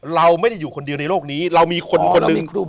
เราไม่ได้อยู่คนเดียวในโลกนี้เรามีคนคนหนึ่ง